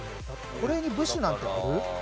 これに部首なんてある？